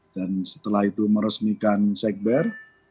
dan setelah itu meresmikan sekber